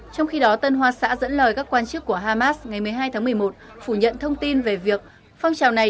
trong khi đó tân hoa xã dẫn lời các quan chức của hamas ngày một mươi hai tháng một mươi một phủ nhận thông tin về việc phong trào này